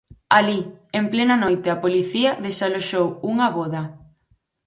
Alí, en plena noite a policía desaloxou unha voda.